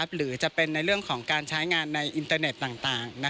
หรือจะเป็นในเรื่องของการใช้งานในอินเตอร์เน็ตต่าง